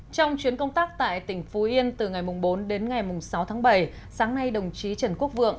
trong chuyến công tác tại tỉnh phú yên từ ngày bốn đến ngày sáu tháng bảy sáng nay đồng chí trần quốc vượng